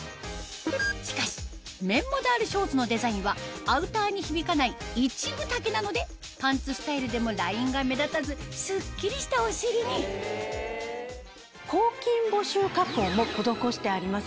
しかし綿モダールショーツのデザインはアウターに響かない一分丈なのでパンツスタイルでもラインが目立たずスッキリしたお尻に抗菌防臭加工も施してあります。